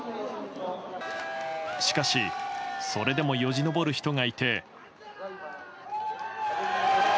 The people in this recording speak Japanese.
しかし、それでもよじ登る人がいて。